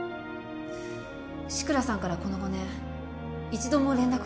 志倉さんからこの５年一度も連絡はなかったですか？